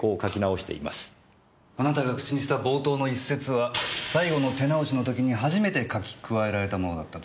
あなたが口にした冒頭の一節は最後の手直しの時に初めて書き加えられたものだった。